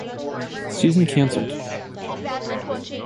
Season Cancelled